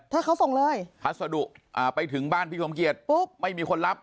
ถ้าเขาส่งเลยพัสดุไปถึงบ้านพี่สมเกียจปุ๊บไม่มีคนรับ